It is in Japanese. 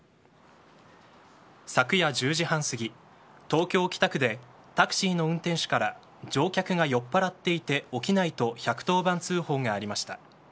昨夜１０時半過ぎ、東京・北区でタクシーの運転手から乗客が酔っ払っていて起きないと１１０番通報がありました。